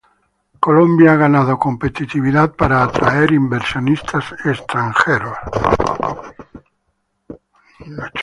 Colombia ha ganado competitividad para atraer inversionistas extranjeros.